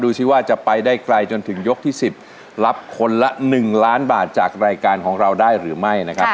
ซิว่าจะไปได้ไกลจนถึงยกที่๑๐รับคนละ๑ล้านบาทจากรายการของเราได้หรือไม่นะครับ